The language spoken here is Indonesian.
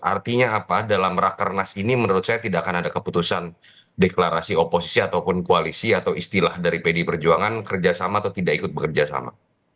artinya apa dalam rakernas ini menurut saya tidak akan ada keputusan deklarasi oposisi ataupun koalisi atau istilah dari pdi perjuangan kerjasama atau tidak ikut bekerja sama